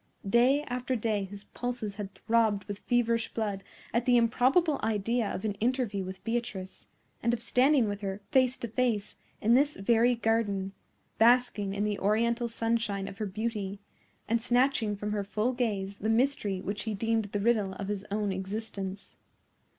Day after day his pulses had throbbed with feverish blood at the improbable idea of an interview with Beatrice, and of standing with her, face to face, in this very garden, basking in the Oriental sunshine of her beauty, and snatching from her full gaze the mystery which he deemed the riddle of his own existence.